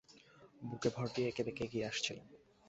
বুকে ভর দিয়ে একেবেঁকে এগিয়ে আসছিল।